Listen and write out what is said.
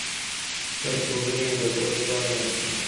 پر پوړني یې د ګل دواړه لاسونه